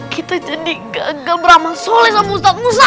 kita jadi gagal beramah soleh sama ustaz musa